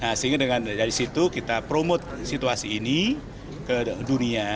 nah sehingga dari situ kita promote situasi ini ke dunia